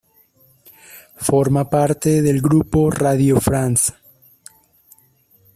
Forma parte del grupo "Radio France".